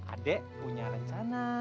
adek punya rencana